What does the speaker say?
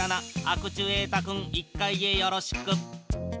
アクチュエータ君１階へよろしく。